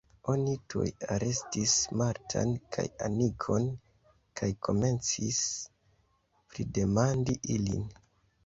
Oni tuj arestis Martan kaj Anikon kaj komencis pridemandi ilin.